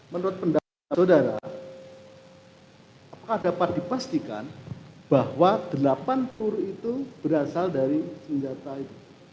menurut pendapat saudara apakah dapat dipastikan bahwa delapan kur itu berasal dari senjata itu